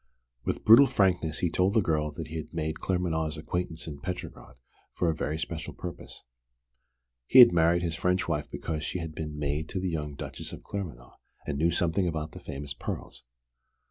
With brutal frankness he told the girl that he had made Claremanagh's acquaintance in Petrograd for a very special purpose. He had married his French wife because she had been maid to the young Duchess of Claremanagh, and knew something about the famous pearls.